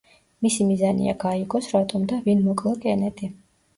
მისი მიზანია, გაიგოს, რატომ და ვინ მოკლა კენედი.